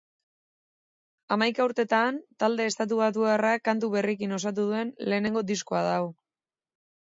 Hamaika urtetan talde estatubatuarrak kantu berriekin osatu duen lehenengo diskoa da hau.